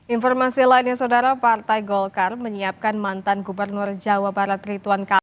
informasi lainnya saudara partai golkar menyiapkan mantan gubernur jawa barat rituan kamil